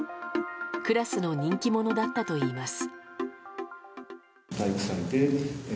クラスの人気者だったといいます。